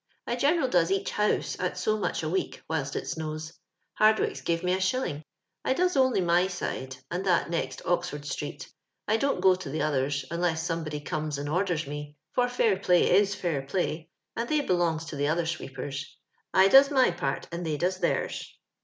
I generd does each house at so much a week whilst it snows. Hardwicks give me a shilling. I does only my side, and that next Ox ford street. I dont go to the others, un less somebody oomes and orders me— for fltdr play is fair play — and they belongs to LONDON LABOUR AND THE LONDON POOR. 471 the other sweepers. I does my part and they does theirs.